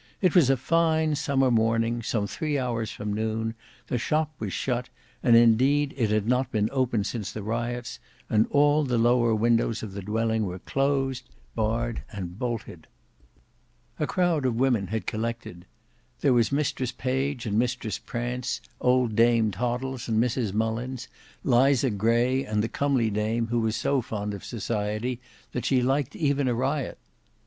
It was a fine summer morning, some three hours from noon, the shop was shut, indeed it had not been opened since the riots, and all the lower windows of the dwelling were closed, barred, and bolted. A crowd of women had collected. There was Mistress Page and Mistress Prance, old Dame Toddles and Mrs Mullins, Liza Gray and the comely dame who was so fond of society that she liked even a riot.